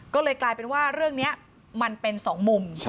ก็เลยกลายเป็นว่าเรื่องนี้มันเป็นสองมุม